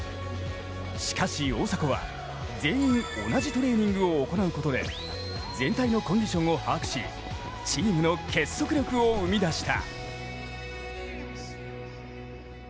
しかし大迫は全員同じトレーニングを行うことで全体のコンディションを把握しチームの結束力を生み出した。